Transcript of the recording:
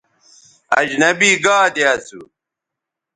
اجنبی گادے اسو